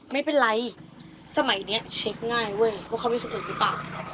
ไม่เป็นไรสมัยเนี้ยเช็คง่ายเว้ยว่าเขาเป็นพยุคดรกิจรับป่ะ